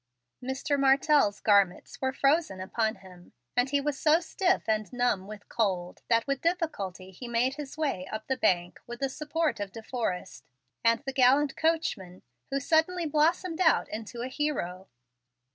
Mr. Martell's garments were frozen upon him, and he was so stiff and numb with cold that with difficulty he made his way up the bank with the support of De Forrest and the gallant coachman, who had suddenly blossomed out into a hero.